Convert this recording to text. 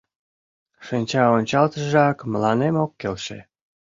Шинчаончалтышыжак мыланем ок келше.